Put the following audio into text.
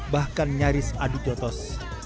bahkan nyaris adu jotos